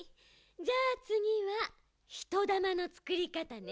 じゃあつぎはひとだまのつくり方ね。